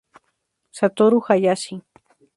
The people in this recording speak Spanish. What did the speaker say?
Satoru Hayashi